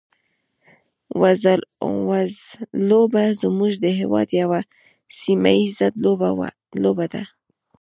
وزلوبه زموږ د هېواد یوه سیمه ییزه لوبه ده.